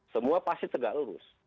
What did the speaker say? semua pasti tegak lurus